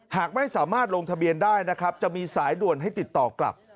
หากไม่สามารถลงทะเบียนได้นะครับจะมีสายด่วนให้ติดต่อกลับ